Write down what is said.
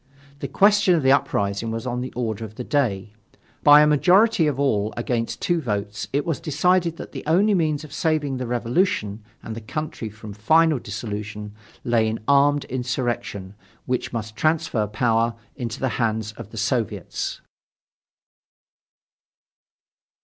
The question of the uprising was on the order of the day. By a majority of all against two votes it was decided that the only means of saving the Revolution and the country from final dissolution lay in armed insurrection which must transfer power into the hands of the Soviets.